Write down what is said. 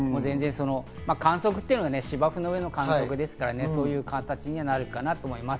観測っていうのが芝生の上の観測ですから、そういう形にはなるかなと思います。